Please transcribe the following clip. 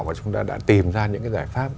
và chúng ta đã tìm ra những cái giải pháp